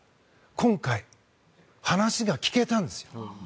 今回、話が聞けたんですよ。